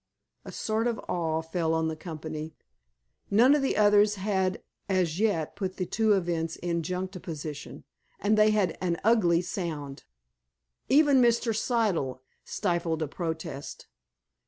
A sort of awe fell on the company. None of the others had as yet put the two events in juxtaposition, and they had an ugly sound. Even Mr. Siddle stifled a protest.